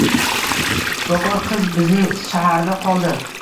Shifokor qiz bizning shaharda qoldi.